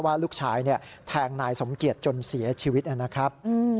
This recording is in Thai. ว่าลูกชายแทงนายสมเกียจจนเสียชีวิตนะครับ